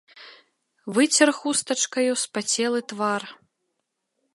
Выцер хустачкаю спацелы твар.